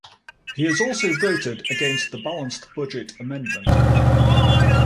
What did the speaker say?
He has also voted against the balanced budget amendment.